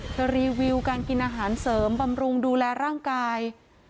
รีวิวการกินอาหารเสริมบำรุงดูแลร่างกาย